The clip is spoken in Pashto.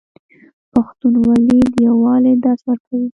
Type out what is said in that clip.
پښتونولي د یووالي درس ورکوي.